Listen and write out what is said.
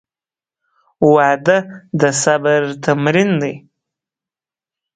• واده د صبر تمرین دی.